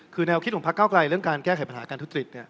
คือแนวคิดของพักเก้าไกลเรื่องการแก้ไขปัญหาการทุจริต